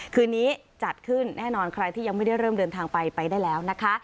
คืนนี้จัดขึ้นแน่นอนใครที่ยังไม่ได้เริ่มเดินทางไปไปได้แล้วนะคะ